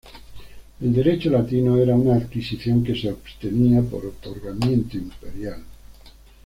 El derecho latino era una adquisición que se obtenía por otorgamiento imperial.